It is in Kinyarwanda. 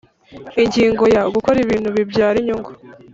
Ingingo ya Gukora ibintu bibyara inyungu